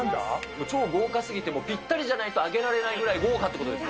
超豪華すぎて、もう、ぴったりじゃないとあげられないぐらい、豪華ってことです。